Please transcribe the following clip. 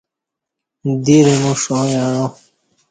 دیر ایمو ݜاں یعاں